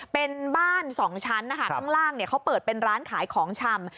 เป็นบ้าน๒ชั้นนะคะข้างล่างเขาเปิดเป็นร้านขายของชำ